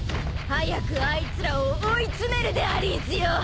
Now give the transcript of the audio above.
早くあいつらを追い詰めるでありんすよ。